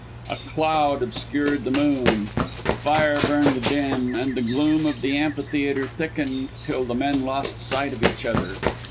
A cloud obscured the moon, the fire burned dim, and the gloom of the amphitheatre thickened till the men lost sight of each other.